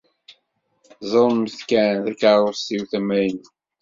Ẓṛemt kan takeṛṛust-iw tamaynut.